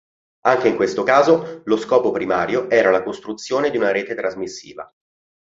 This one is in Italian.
Anche in questo caso, lo scopo primario era la costruzione di una rete trasmissiva.